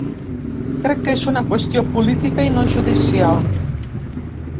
Crec que és una qüestió política i no judicial.